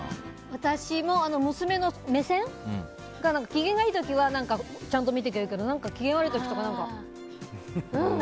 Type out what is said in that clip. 私も娘の目線が機嫌がいい時はちゃんと見てくれるけど機嫌悪い時とかは。